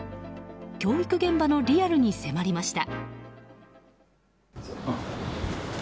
教育現場のリアルに迫りました。